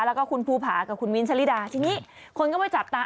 แล้วก็คุณภูผากับคุณมิ้นทะลิดาทีนี้คนก็ไปจับตา